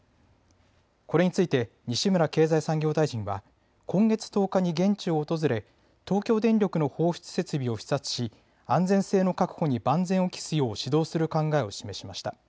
これについて西村経済産業大臣は今月１０日に現地を訪れ東京電力の放出設備を視察し安全性の確保に万全を期すよう指導する考えを示しました。